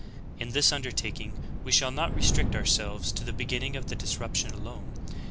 In this undertaking we shall not restrict ourselves to the beginning of the disrup tion alone.